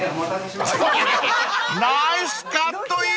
［ナイスカットイン！］